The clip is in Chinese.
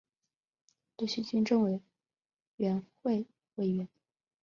鲁西军政委员会委员。